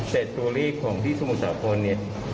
แต่ตัวเลขของที่สมุทรสาครเนี่ย